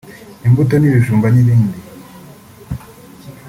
imbuto ibijumba n’ibindi